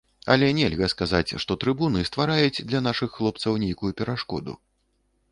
Але нельга сказаць, што трыбуны ствараюць для нашых хлопцаў нейкую перашкоду.